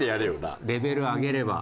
レベル上げれば。